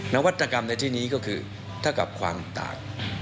นวัตกรรมในที่นี้ก็คือถ้ากับความต่าง